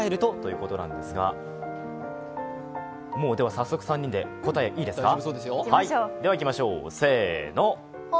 では、早速３人で大丈夫ですか？